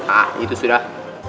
ah itu sudah